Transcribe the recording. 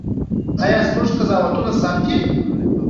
ایا زموږ قضاوتونه سم دي؟